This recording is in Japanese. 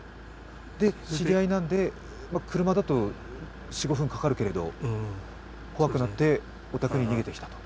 知り合いなんで、車だと４５分かかるけれども怖くなってお宅に逃げてきたと？